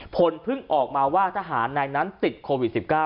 ผลเพิ่งออกมาว่าทหารนายนั้นติดโควิด๑๙